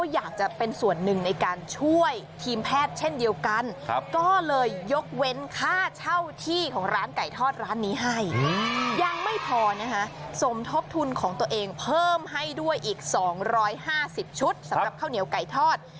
ยังไม่พอเนี่ยฮะสมทบทุนของตัวเองเพิ่มให้ด้วยอีก๒๕๐ชุดสำหรับข้าวเหนียวไก่ทอด